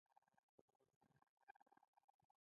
موږ د ژبې ساتونکي یو نه د هغې مالکان.